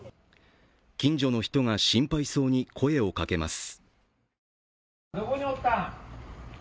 近所の人が心配そうに声をかけます。